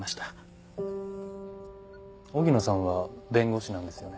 荻野さんは弁護士なんですよね？